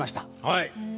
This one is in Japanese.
はい。